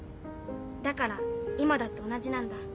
だから今だって同じなんだ。